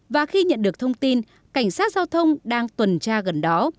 và khi nhận được thông tin cảnh sát giao thông đang tuần tra gần đó